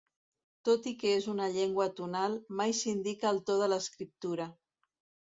Tot i que és una llengua tonal, mai s'indica el to en l'escriptura.